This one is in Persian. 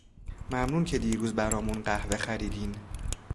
ممنون که دیروز برامون قهوه خریدین.